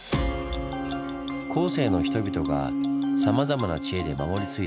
後世の人々がさまざまな知恵で守り継いだ法隆寺。